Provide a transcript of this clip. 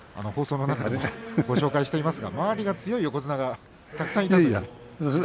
放送の中でご紹介していますが周りに強い横綱がたくさんいて。